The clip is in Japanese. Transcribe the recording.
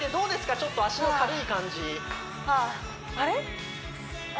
ちょっと脚の軽い感じあれ？